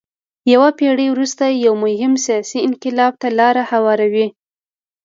یوه پېړۍ وروسته یو مهم سیاسي انقلاب ته لار هواروي.